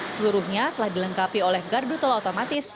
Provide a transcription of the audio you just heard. seluruhnya telah dilengkapi oleh gardu tol otomatis